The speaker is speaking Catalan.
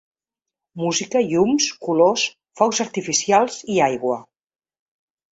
Música, llums, colors, focs artificials i aigua.